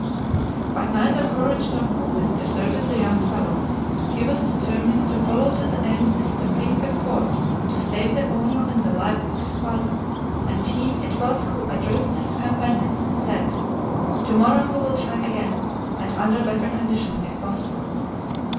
But neither courage nor coolness deserted the young fellow; he was determined to follow to the end this supreme effort to save the honor and the life of his father, and he it was who addressed his companions, and said: "To morrow we will try again, and under better conditions if possible."